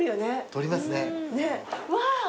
撮りますね。